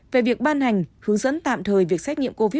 về việc ban hành hướng dẫn tạm thời việc xét nghiệm covid một mươi chín